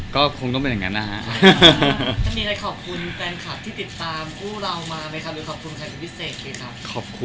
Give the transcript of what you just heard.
ก็คงต้องเป็นอย่างนั้นาหะ